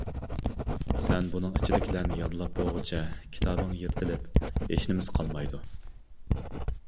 سەن بۇنىڭ ئىچىدىكىلەرنى يادلاپ بولغۇچە كىتابىڭ يىرتىلىپ، ھېچنېمىسى قالمايدۇ.